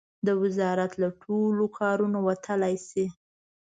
د وزارت له ټولو کارونو وتلای شي.